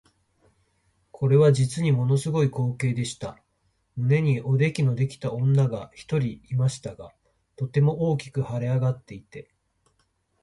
これは実にもの凄い光景でした。胸におできのできた女が一人いましたが、とても大きく脹れ上っていて、